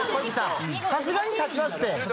さすがに勝ちますって。